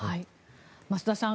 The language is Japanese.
増田さん